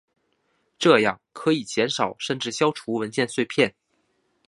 这样可以减少甚至消除文件碎片。